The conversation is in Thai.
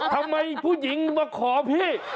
ทำไมผู้หญิงมาขอพี่